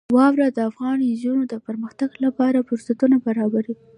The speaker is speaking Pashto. واوره د افغان نجونو د پرمختګ لپاره فرصتونه برابروي.